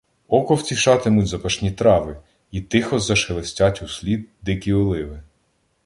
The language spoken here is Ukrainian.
Око втішатимуть запашні трави, і тихо зашелестять услід дикі оливи